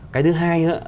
cái thứ hai nữa